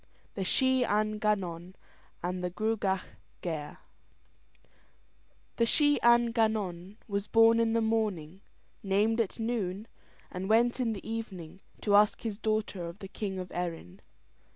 THE SHEE AN GANNON AND THE GRUAGACH GAIRE The Shee an Gannon was born in the morning, named at noon, and went in the evening to ask his daughter of the king of Erin.